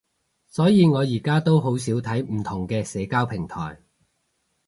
所以我而家都好少睇唔同嘅社交平台